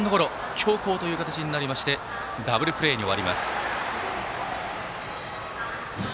強攻という形になりましてダブルプレーに終わります。